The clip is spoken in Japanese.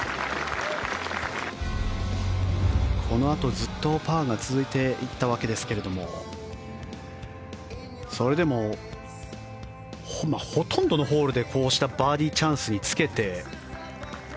このあと、ずっとパーが続いていったわけですがそれでもほとんどのホールでこうしたバーディーチャンスにつけて。